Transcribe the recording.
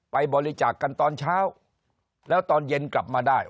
ไปบริจาคกันตอนเช้าแล้วตอนเย็นกลับมาได้